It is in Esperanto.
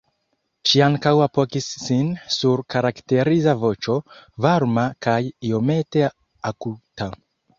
Ŝi ankaŭ apogis sin sur karakteriza voĉo, varma kaj iomete akuta.